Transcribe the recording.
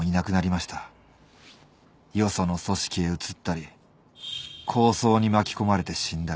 よその組織へ移ったり抗争に巻き込まれて死んだり。